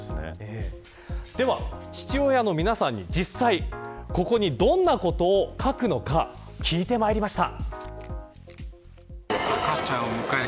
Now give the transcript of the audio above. では、父親の皆さんに実際ここに、どんなことを書くのか聞いてまりました。